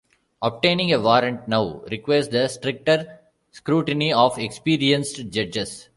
Obtaining a warrant now requires the stricter scrutiny of experienced judges.